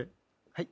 はい？